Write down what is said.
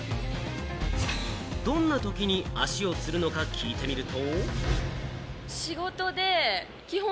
どんなときに足をつるのか聞いてみると。